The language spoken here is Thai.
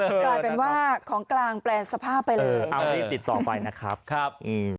กลายเป็นว่าของกลางแปลสภาพไปเลยเอารีบติดต่อไปนะครับครับอืม